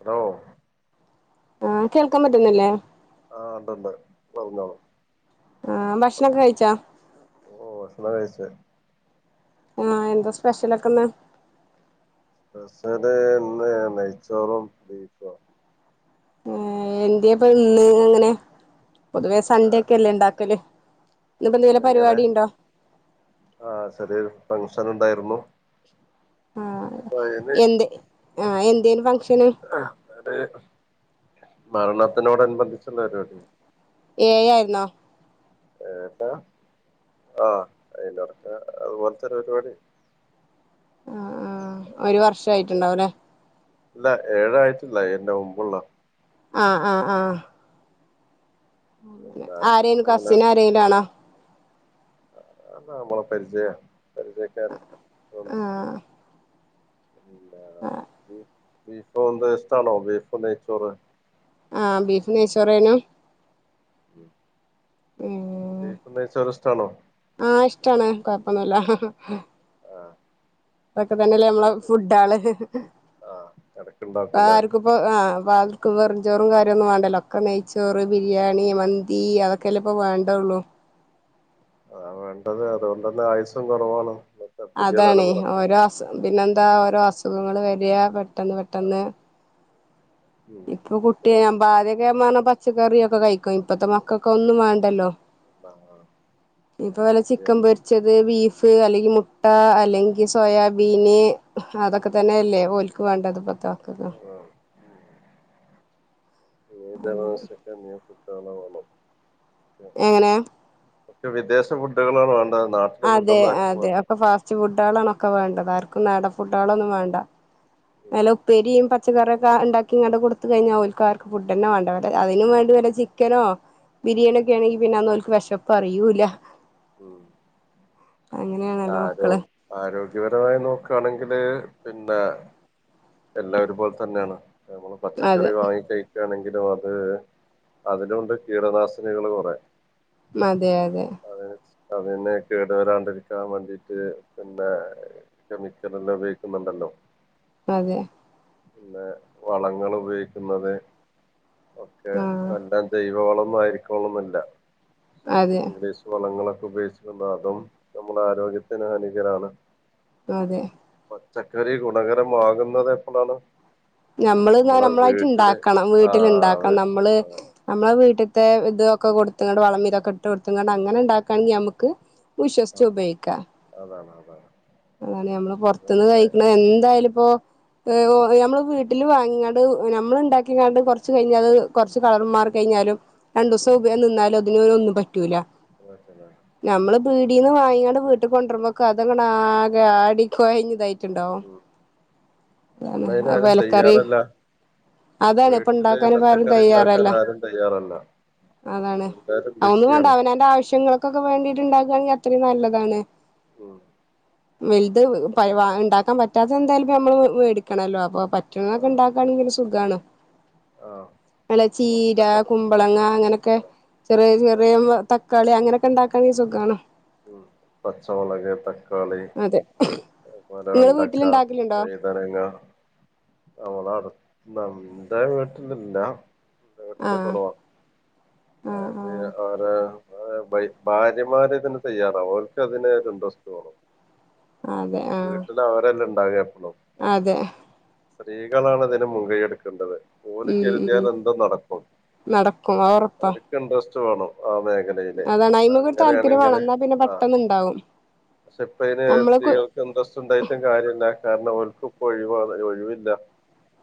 Hello ആ കേൾക്കാൻ പറ്റുന്നല്ലേ ആ ഉണ്ടണ്ട് പറഞ്ഞോളു ആ ഭക്ഷണംക്കെ കഴിച്ചാ ഓ സ്ണ കഴച്ച [inaudible] ആ എന്താ സ്പെഷ്യലൊക്കെന്നാ സ്പെഷല് ഇന്ന് നെയ്ച്ചോറും ബീഫും എന്റെയപ്പ ഇന്ന് ഇങ്ങനെ പൊതുവേ സൺഡേ ഏഹ് ഒക്കെല്ലേ ഉണ്ടാക്കല് എങ്ങനെ ആ ചെറിയ ഒരു ഫങ്ഷൻ ഉണ്ടായിരുന്നു ആ അപ്പൊ എന്ത ആ എന്തേ അ മരണത്തിനോടനുബന്ധിച്ചുള്ള പരിപാടിയ ഏയയിരുന്ന ഏപ്പ [inaudible] ആ അയിലോടത്ത അതുപോലെത്തെരു പരിപാടി ആ ആ ഒരു വർഷ ആയിട്ടുണ്ടാവല്ലേ ഇല്ല ഏഴ ആയിട്ടില്ല ഏഴിന്റെ മുമ്പുള്ള ആ ആ ആ പിന്നെ ആരേലും കസിന് ആരെങ്കിലും ആണോ അ നമ്മള പരിചയം പരിചയക്കര് ഉം ആ ബീഫ എന്ത ഇഷ്ടാണോ ബീഫ് നെയ്ച്ചോറ് ആ ബീഫ് നയ്ച്ചോറേനോ ഉം ഉം ബീഫ് നെയ്‌ച്ചോർ ഇഷ്ടണോ ഒന്നല്ല ആ അതൊക്കെ തന്നെല്ലേ നമ്മള ഫുഡ ആള് ആഹ് എടക്കുണ്ടാക്കുംല്ലേ ആർക്കും ഇപ്പ ആ- ഇപ്പ ആർക്കും വെറും ചോറും കാര്യന്നും വേണ്ടല്ലോ ഒക്കെ നെയ്ച്ചോറ് ബിരിയാണി ആഹ് മന്തി അതൊക്കെല്ലാം ഇപ്പ വേണ്ടള്ളൂ ള്ളൂ ആ വേണ്ടത് അതുകൊണ്ട തന്നെ ആയുസ കുറവാണ് ഇന്നത്തെ പുതിയ അതണേ തലമുറക്ക് ഓരോ അസു പിന്നെന്താ ഓരോ അസുഖങ്ങള്ൾ വരിക പെട്ടെന്ന് ആഹ് പെട്ടെന്ന് ഉം ഇപ്പൊ കുട്ടിയ ഞാൻ ബാദ്യക്കെ പറഞ്ഞ പച്ചക്കറിയ ഒക്കെ കഴിക്കും ഇപ്പത്തെ മക്കൾക്കെ ഒന്നും വേണ്ടല്ലോ ഇപ്പൊ വല്ല ചിക്കൻ പൊരിച്ചത് ബീഫ് ഫ് അല്ലെങ്കിൽ മുട്ട അല്ലെങ്കിൽ സോയാബീന് അതൊക്കെ തന്നെ അല്ലെ ഓൽക്ക് വേണ്ടത് ഇപ്പത്ത. [unintelligible] [unintelligible] എങ്ങനെ ഒക്കെ വിദേശ ഫുഡുകളാണ് വേണ്ടെന്ന്. അതെ അതെ ഒക്കെ ഫാസ്റ്റ് ഫുഡളാണ് ഒക്കെ വേണ്ടത് ആർക്കും നാടൻ ഫുഡാളൊന്നും വേണ്ട. ഉം നല്ല ഉപ്പേരിയും പച്ചക്കറിക്കെ ഇണ്ടാക്കിങ്ങാണ്ട് കൊടുത്തു കഴിഞ്ഞാ ഓൽക്ക് ആർക്കും ഫുഡന്നെ വേണ്ട. [unintelligible] അതിനും ഉം വേണ്ടി വല്ല ചിക്കനോ ബിരിയാണി ഒക്കെ ആണെങ്കിൽ പിന്നെ അന്നോൽക്ക് വെശപ്പ് അറിയൂല്ല. ഉം അത് അങ്ങനെയാണല്ലോ ആരോ മക്കള് ആരോഗ്യപരമായി നോക്കാണെ ക്ക്ണ് പിന്നെ എല്ലാരും പോൽതന്നെയാണ് നമ്മള് അതെ പച്ചക്കറി വാങ്ങിക്കഴി [unintelligible] ആണെങ്കിലും അത് അതിലുണ്ട് കീടനാശിനികള് കൊറേ. മ് അതെ അതെ അതിനെ കേടു വരാണ്ടിരിക്കാൻ വേണ്ടിട്ട് പിന്നെ കെമിക്കലെല്ലാ ഉപയോഗിക്കുന്നുണ്ടല്ലോ. അതെ പിന്നെ വളങ്ങൾ ഉപയോഗിക്കുന്നത് ഒക്കെ ആഹ് എല്ലാം ജൈവവളം മായിരിക്കോണോന്നില്ല അതെ ഇംഗ്ലീഷ് വളങ്ങളൊ ഉപയോഗിച്ച് [unintelligible] നമ്മുടെ ആരോഗ്യത്തിന് ഹാനികരാണ്. അതെ. പച്ചക്കറി ഗുണകരമാക്ന്നത് എപ്പളാണ്. നമ്മള് ന്നാ നമ്മളായിട്ട് ഇണ്ടാക്കണം ആ വീട്ടിലിണ്ടാക്കണം, വീട്ടിൽ നമ്മള് അതെ നമ്മളെ വീട്ട് ത്തെ ഇത് ഒക്കെ കൊട്ത്ത്കാണ്ട് വളമിതൊക്കെ ഇട്ട് കൊട്ത്ത് കാണ്ട് അങ്ങനെ ഇണ്ടാക്കാൻങ്കി നമ്മക്ക് വിശ്വാസ്ച്ച് ആ ഉപയോയിക്ക. അതാണ് അതാണ് അങ്ങനെ നമ്മള് പൊറത്ത്ന്ന് കഴിക്ക്ണ എന്തായാലും ഇപ്പോ എ ഒ ഞമ്മള് വീ ട്ടില് വാങ്ങി കാണ്ട് നമ്മള് ഇണ്ടാക്കിക്കാണ്ട് കൊറച്ച് കഴിഞ്ഞത് കൊറച്ച് കളറ് മാറി കഴിഞ്ഞാലും രണ്ടൂസം ഉപയോഗം നിന്നാലും അതിന് ഒന്നും പറ്റൂല്ല, ഞമ്മള് പീടിയെന്ന് വാങ്ങി നിങ്ങൾടെ വീട്ട്ക്ക് കൊണ്ടൊര്മ്പക്കത് ങ്ങണ് ആകെ ആടി കൊഴഞ്ഞ് ഇതായി ട്ട്ണ്ടാവും പിന്നെ ആ എല്ലാവരും വെല തയ്യാറല്ല വീട്ടില് ഉണ്ടാക്കാൻ ഇപ്പ ആരും പച്ചക്കറി ഇണ്ടാക്കാൻ തയ്യാറല്ല ആരും തയ്യാറല്ല. അതാണ് എല്ലാരും ഒന്നും വേണ്ട ബിസിയാണ് അവനാന്റെ ആവശ്യങ്ങൾക്കൊക്കെ വേണ്ടീട്ട് ഇണ്ടാക്കാണെങ്കി അത്രേം നല്ലതാണ് ഉം വെൽത് പഴ് വ ഇണ്ടാക്കാൻ പറ്റാത്ത എന്താലും ഇപ്പ നമ്മള് വേടിക്കണല്ലോ അപ്പൊ പറ്റ് റ്റുന്നൊക്കെ ഇണ്ടാക്കാണെങ്കില് സുഖാണ് ആ നല്ല ചീര കുമ്പളങ്ങ അങ്ങനെയൊക്കെ ചെറിയ ചെറിയ തക്കാളി അങ്ങനെയൊക്കെ ഇണ്ടാക്ക [unintelligible] സുഖാണ് മ് പച്ചമുളക് ത അതെ അതുപോലെ നിങ്ങള് വെണ്ടക്ക വീട്ടിലുണ്ടാക്കലുണ്ടോ വൈതനങ്ങ [unintelligible] [unintelligible] നോട്ടിന്റെ ആഹ് കുറവാ ആഹ് അത് ആഹ് ആരെ ആ വൈഫ് ഭാര്യമാര് ഇതിന് തയ്യാറാവ് ഓൽക്ക് അതിന് ഒര് ഇന്ട്രെസ്റ്റ് വാണം അതെ ആഹ് വീട്ടില് അവരെല്ലെ ഇണ്ടാകാ അതെ സ്ത്രീകളാണ് ഇതിന് മുൻകൈ എടുക്കേണ്ടത് ഓല് ഉം ഉം കരുതിയാൽ എന്തും നടക്കും നടക്കും അത് ഉറപ്പാ അവർക്ക് ഇന്റെരെസ്റ്റ്‌ അതാണ് [unintelligible] ഒരു അങ്ങനെയാണെങ്കില് താല്പര്യംവേണം ന്നാ പിന്നെ ആ പെട്ടന്ന് ഇണ്ടാവും പക്ഷെ ഇപ്പ അയിന് നമ്മള് കു സ്ത്രീകൾക്ക് ഇൻട്രസ്റ്റ് ഉണ്ടായിട്ടും കാരില്ല്യാ കാരണം അവർക്കും ഒഴിവാണ് ഒഴിവില്ല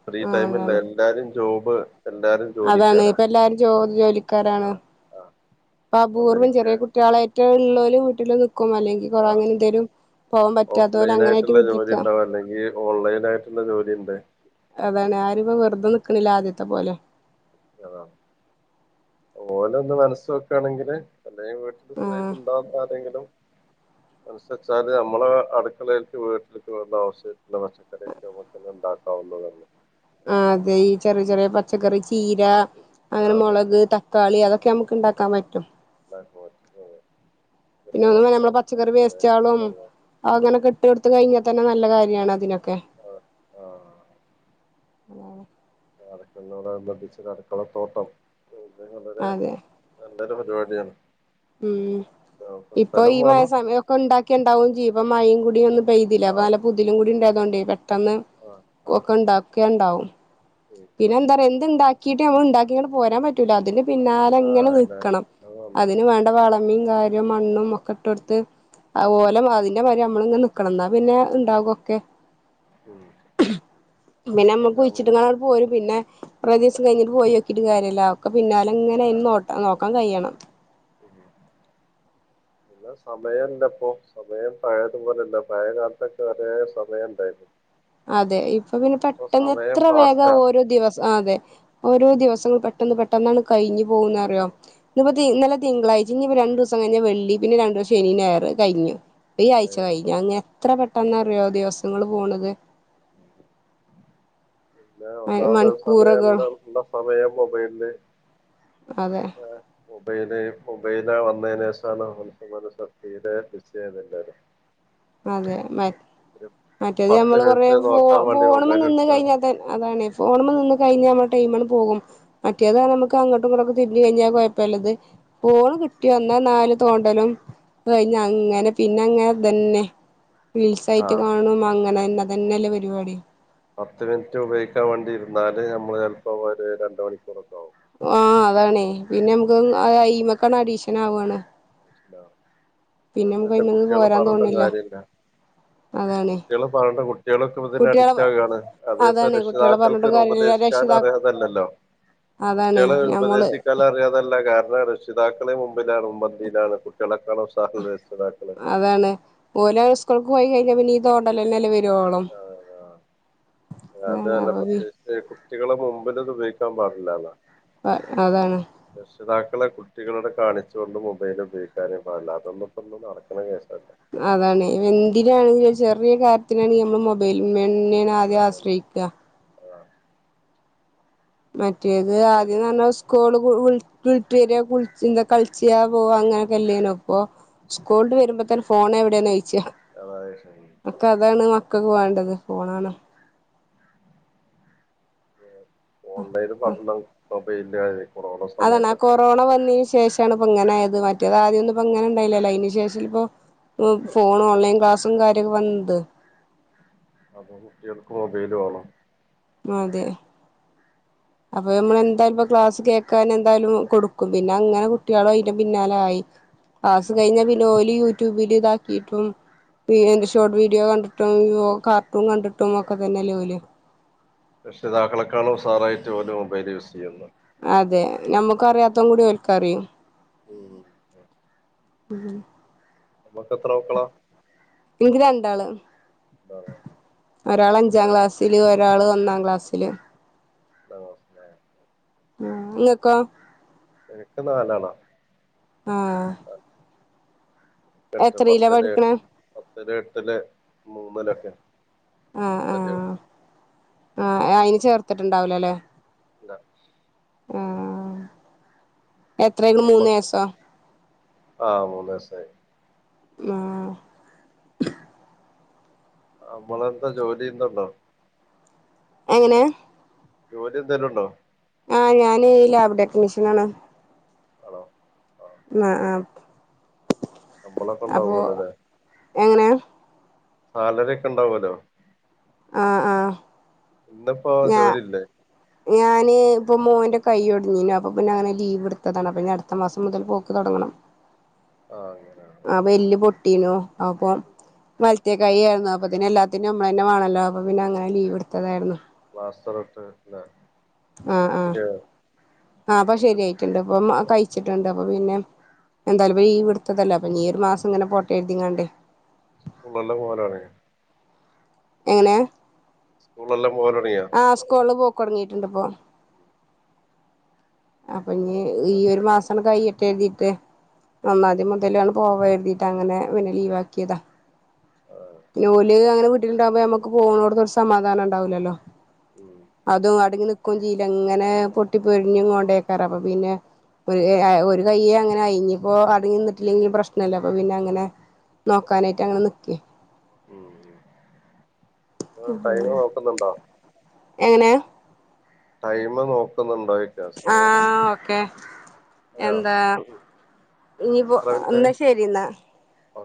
ഫ്രീ ആഹ് ടൈമില്ല അതാണ് എല്ലാരും ജോബ് എല്ലാരും അതാണ് ജോലിക്കാരാ ഇപ്പ എല്ലാരും ജോ ജോലിക്കാരാണ് ആഹ് ആഹ് അപൂർവം ഒന്നരിക്കെ ചെറിയ കുട്ടികളായിട്ട് ള്ളോല് വീട്ടിൽ നിക്കും അല്ലെങ്കി ആഹ് [unintelligible] ഓഫ് ലൈൻ ആയിട്ട്ള്ള ജോലി ഇണ്ടാവും അല്ലെങ്കിൽ ഓൺലൈൻ ആയിട്ട്ള്ള ജോലി ഇ ണ്ട് അതാണ് ആര ഇപ്പോ വെറുതെ നിക്കണില്ല ആദ്യത്തെ പോലെ അതാണ് ഓന് ഒന്ന് മനസ്സ വോക്കയാണെങ്കില് അല്ല വീട്ടിൽ സ്ഥരായിട്ട ആഹ് ഉണ്ടാവുന്ന ആരെ [inaudible] ങ്കിലും മനുസച്ചാല് നമ്മളെ അടുക്കളയിലേക്ക് വീട്ടിലേക്ക് വേണ്ട അവശ്യുള്ള പച്ചക്കറിയൊക്കെ നമുക്കെല്ലാം ഉണ്ടാക്കും തന്നതെ [inaudible] അതെ ഈ ചെറിയ ചെറിയ പച്ചക്കറി ചീര അങ്ങനെ ആഹ് അതന്നെ മുളക് തക്കാളി അതൊക്കെ നമുക്ക് ഇണ്ടാക്കാൻ പറ്റും ആഹ് പിന്നെ ഒന്നും നമ്മ മത്തം, പച്ചക്കറി മത്തന്, വേസ്റ്റളും കുമ്പളങ്ങ ഉം അങ്ങനെ കെട്ട് എടു കഴിഞ്ഞാൽ തന്നെ നല്ല കാര്യാണ് അതിനൊക്കെ ആഹ് ആഹ് അടക്കളിനോടനുബന്ധിച്ച് അടക്കള തോട്ടം അ വളരെ അതെ എന്ത നല്ല പരിപാടിയാണ് ഉം നമുക്ക് ഇപ്പൊ സ്ഥലം ഈ മയ വേണം സമയമ ഒക്കെ ഉണ്ടാക്കിണ്ടാവും ചെയ്യും ഇപ്പ മഴയും കൂടി ഒന്നുപെയ്തില്ല അപ്പൊ ആഹ് നല്ല പുതിലും കൂടി ഉണ്ടായതോണ്ട് പെട്ടെന്ന് ആഹ് ആഹ് ഒക്കെ ഉണ്ടാക്കുകണ്ടാവും ഉം പിന്നെ എന്താ പറയാ എന്ത് ഉണ്ടാക്കിയിട്ട് നമ്മ ഉണ്ടാക്കിങ്ങെ പോരാൻ പറ്റൂല അതിന്റെ പിന്നാല എങ്ങനെ ആഹ് അല്ല നിൽക്കണം അത് വേണം അതിന് ഉം വേണ്ട വളമും കാര്യവും മണ്ണും ഒക്കെ ഇട്ട എടുത്ത് ഉം അപോലെ അതിന്റെ മാര് നമ്മള ഇങ്ങെ നിക്കണം എന്നാ പിന്നെ ഉണ്ടാകൊക്കെ ഉം പിന്നെ നമ്മുക്ക് കുഴിച്ചിട്ടങ്ങ രും പിന്നെ കുറച്ച ദിവസം കഴിഞ്ഞട്ട് പോയി നോക്കിട്ട് കാര്യമല്ല ഒക്ക പിന്നാലും ഇങ്ങനെോട്ട നോ ൻകഴിയണം ഉ പിന്ന സമയംല്ല ഇപ്പൊ സമയം പഴയതുപോലെയല്ല പഴയ കാലത്തൊക്കെ ഒര സമയം ഉണ്ടായിപ്പോരുന്നു അതെ ഇപ്പൊ പിന്നെ പെട്ടന്ന് സമയം എത്ര വേഗ ഫാസ്റ്റാ ഓരോ ദിവസം അതെ ഓരോ ദിവസങ്ങൾ പെട്ടെന്ന് പെട്ടെന്നാണ് കഴിഞ്ഞു പോകുന്നറിയോ ഇന്നിപ്പോന്നലെ തിങ്കളായി ഇനി രണ്ടു ദിവസം കഴിഞ്ഞ വെള്ളി പിന്നെ രണ്ട ദിവസം ശനി ഞായർ കഴഞ്ഞു ഈ ആഹ് ആ്ച്ച ഏഹ് കഴിഞ്ഞഞ് അങ്ങനെ എത്ര പെട്ടെന്ന അറിയോ ദിവസങ്ങള് പോണത് പിന്നെ ഒന്നാമത്തെ മണിക്കൂറുകൾ സമയംല്ല സമയം മൊബൈല അതെ മൊബൈല് മൊബൈല വന്നതിനന്േഷമാണ്ന [inaudible] യില ബിായത് എല്ലും അതെ ബ മറ്റേത് പത്ത് നമ്മള് കൊറ മിനിറ്റ് നോക്കാൻ വേണ്ടി ഫോണുമ്പോൾ മൊബൈൽ നിന്ന് എടുത്താല് കഴിഞ്ഞാല് അതാണ് ഫോണ്മ്മ നിന്ന് കഴിഞ്ഞാ നമ്മുടെ ടൈമങ്ങ് പോകും മറ്റേത നമുക്ക് അങ്ങോട്ടുംങ്ങോട്ടൊക്ക തിരിഞ്ഞ് കഴിഞ്ഞാൽ കുഴപ്പല്ല ഫോണ് കിട്ടി വന്ന നാല് തോണ്ടലും കഴിഞ്ഞ ആഹ് അങ്ങനെ പിന്നെ അങ്ങനെ തന്നെ റിൽസായിട്ട് ആഹ് കാണും അങ്ങനെ തന്ന തന്നെയല്ലേ പരിപാടി പത്ത് മിനിറ്റ് ഉപയോഗിക്കാൻ വേണ്ടി ഇരുന്നാല് നമ്മള് ചിലപ്പോ ഒരു രണ്ട മണിക്കൂറക്കെ ആകും ആഹ അതണേ പിന്നെ നമുക്ക് അ ഐമക്കണ് അഡീഷൻ ആവുവാണ് പ്പ എന്റെ കുട്ടികള പോരാൻ പറയണ്ട തോന്നില്ല കാര്യില്ല അതാണ് കുട്ടികള് പറഞ്ഞണ്ട കുട്ടികളൊക്കെ ഇതിന് കുട്ടികളെ അഡിക്റ്റ് ആവുകയാണ് അതിപ്പോ അതാണ് കുട്ടികളെ രക്ഷിതാക്കൾക്ക് പറഞ്ഞിട്ടും കാര്യല്ല ഉപദേശ രക്ഷിതാ അറിയാതല്ലല്ലോ അതാണ് കുട്ടികള് ഞമ്മള് ഉപദേശിക്കാനും അറിയാതല്ല കാരണം രക്ഷിതാക്കളെ മുമ്പിലാണ ഇതാണ് കുട്ടികളക്കാണ് ഉത്സാഹ രക്ഷിതാക്കള് അവരീ തോണ്ടലന്നല്ലേ ആഹ ആ അതാണ് അതല്ല അവര് പ്രത്യേകിച്ച് കുട്ടികളെ മുമ്പിൽത് ഉപയോഗിക്ക ക്കാൻ പാടില്ലാല ആ അതാണ് രക്ഷിതാക്കളെ കുട്ടികളോട് കാണിച്ചുകൊണ്ട് മൊബൈലൽ ഉപയോഗിക്കാനേപാടില്ല അതൊന്നിപ്പം ഒന്നും നടക്ക്ണ കേസ ല്ല അതാണ്എന്തിനാണെങ്കിലും ചെറിയ കാര്യത്തിനാണങ്കി നമ്മൾ മൊബൈല്മ്മേണ് ന്നേണ് ആദ്യം ആശ്രയിക്ക ആ മറ്റേത് അപ്പൊ ആദ്യം ഇത് എന്ന് പറഞ്ഞ സ്കൂൾ വി- വിട്ട് വെരാ കുളിച്ച് ന്താ കളിച്ച് പോക അങ്ങനൊക്കെ അല്ലാരുന്നോ ഇപ്പൊ ഉം, സ്കൂൾട്ട് വരുമ്പോ തന്നെ ഫോൺ എവിടെയന്ന് ചോദിച്ചാ അതായത് ഇപ്പോ അതാണ് മക്കൾക്ക് വേണ്ടത് ഫോണാണ് ഓൺലൈന് പറഞ്ഞ മെബെലിന്റെ അതാണ് ആ കൊറോണ വന്നതിന് ശേഷമാണ് ഇപ്പോ ഇങ്ങനായത് മറ്റേ മറ്റേതാദ്യം ഒന്നും ഇപ്പോ അങ്ങനെ ഉണ്ടായിലല്ലോ അതിനു ശേഷം ല്ലേപ്പം ഫോൺ ഓൺലൈൻ ക്ലാസും കാര്യൊക്കെ വന്നത് അപ്പൊ കുട്ടികൾക്ക് മൊബൈല് വേണം അതെ അപ്പൊ നമ്മൾ എന്തായാലും ഇപ്പ ക്ലാസ് കേൾക്കാനുംഎന്തായാലും കൊടുക്കും പിന്നെ അങ്ങനെ കുട്ടികളും അയിന്റെ പിന്നാല ആയി ക്ലാസ് കഴിഞ്ഞ പിന്നെ ഓല് യൂട്യൂബില് ഇതാക്കിയിട്ടും പി എന്റെ ഷോർട്ട് വീഡിയോ കണ്ടിട്ടും കാർട്ടൂൺ കണ്ടിട്ടും ഒക്കെ തന്നെല്ലേലേ ഓല് രക്ഷിതാക്കളെക്കാളും ഉഷാറായിട്ട് ഓല് മൊബൈൽ യൂസ് ചെയ്യുന്നു അതെ നമ്മുക്ക് അറിയാത്തും കൂടി ഒര്ക്ക് അറിയും മ് മ് നമ്മുക്ക് എത്ര മക്കളാ എന്താ ഒരാള് അഞ്ചാം എത്രയിലാ? ക്ലാസ്സില് ഒരാള് ഒന്നാം ക്ലാസ്സില് എന്താ അവസ്ഥ ഉം ഇങ്ങക്കോ എനിക്ക് നാലാളാ ആ എട്ട് പത്തല് പഠിക്കണെ എട്ട പത്ത്ല് എട്ടില് മൂന്നിലൊക്കെ ആ ആ ചെറിയ കുട്ടി ആ അയിനെ ചേർത്തിട്ടുണ്ടാവില്ലല്ലേ ഇല്ല ആ ആ എത്രയായിക്കണ് മൂന്ന് വയസോ ആഹ് മൂന്ന് വയസായി ആ നമ്മളെന്താ ജോലി ചെയ്യുന്നുണ്ടോ എങ്ങനെ ജോലി എന്തേലും ഉണ്ടോ ആ ഞാൻ ലാബ് ടെക്നീഷ്യൻ ആണ് ആണോ ആഹ് ആ അ ശമ്പളൊക്കെ ഉണ്ടാവോലല്ലെ എങ്ങനെ സാലറി ഒക്കെ ഉണ്ടാവോലോ ആ ആ ഇന്നിപ്പോ ജോലിയില്ലേ ഞാൻ ഇപ്പോൾ മോൻ്റെ കൈ ഒടിഞ്ഞിനു അപ്പോ പിന്നെ അങ്ങനെ ലീവ് എടുത്തതാണ് അപ്പം പിന്ന അടുത്തമാസം മുതൽക്ക് പോക്ക് തുടങ്ങണം ആ അങ്ങനെ ട്ടീനു അപ്പോ വല് വലത്തെ കൈ ആയിരുന്നു അപ്പ തന്നെ എല്ലാത്തിനും നമ്മൾ തന്നെവേണല്ലോ അപ്പോൾ പിന്നെ അങ്ങനെ ലീവ എടുത്തതായിരുന്നു പ്ലാസ്റ്ററിട്ടു അല്ലേ ആ ആഹ് ആ അപ്പൊ ശരിയായിട്ടുണ്ട് അപ്പൊ കഴിച്ചിട്ടുണ്ട് അപ്പൊ പിന്നെ എന്തായാലും ഈ ലീവെടുത്തതല്ല അപ്പൊ ഈ ഒരു മാസം ഇങ്ങനെ പോട്ട കരുതിങ്ങാണ്ടേ സ്കൂളൊള്ള മോനാണ് എങ്ങനെ സ്കൂളിളെല്ലാം പോകാൻ തുടങ്ങിയോ തൊടങ്ങിയിട്ടുണ്ട് ഇപ്പോ അപ്പൊ ഇനി ആഹ് ഇ ഈ ഒരു മാസം കഴിയട്ടെ എന്നിട്ട് ഒന്നാം തിയതി മുതലാണ് പോവാ എഴുതിട്ടങ്ങനെ പിന്നെ ലീവാക്കിയതാ ആഹ് ഓല് അങ്ങനെ വീട്ടിലുണ്ടാവുമ്പോ നമുക്ക് പോകണോടത്ത് ഒരു സമാധാനം ഉണ്ടാവില്ലല്ലോ ഉം അതും അടങ്ങി നിക്കവും ചെയീല അങ്ങനെ പൊട്ടി പൊരിഞ്ഞും കൊണ്ടേക്കാരും അപ്പൊ പിന്നെ ഒരു ആഹ് ഒരു കയ്യ് അ ആ ഇനിയിപ്പോ അധികം നിന്നിട്ടില്ലങ്കിലും പ്രശ്‌നമില്ല അപ്പൊ പിന്നെ അങ്ങനെ നോക്കാനായിട്ട് അങ്ങനെ നിക്കെയാ ഉം ടൈമ് നോക്കുന്നുണ്ടോ എങ്ങനെ ടൈമ് നോക്കുന്നുണ്ടോ [unintelligible] സമയം ആഹ് ഓക്കെ ആയോ എന്താ ഇനിപ്പോ എന്നാ ശരിന്നാ ഓ